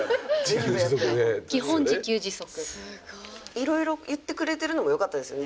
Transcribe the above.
いろいろ言ってくれてるのもよかったですよね。